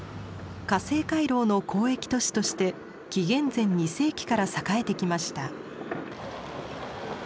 河西回廊の交易都市として紀元前２世紀から栄えてきました。